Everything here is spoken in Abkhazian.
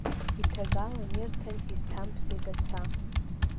Иҭагалан ирҭан, изҭамԥсеит аца.